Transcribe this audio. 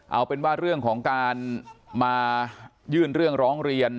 เอาเป็นว่าเรื่องของการมายื่นเรื่องร้องเรียน